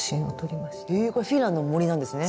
へえこれフィンランドの森なんですね。